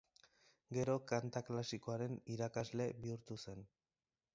Gero kanta klasikoaren irakasle bihurtu zen.